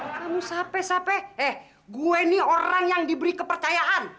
kamu siapa eh gue nih orang yang diberi kepercayaan